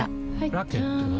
ラケットは？